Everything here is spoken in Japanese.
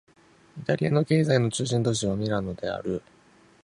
イタリアの経済の中心都市はミラノである